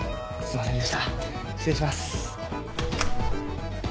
失礼します。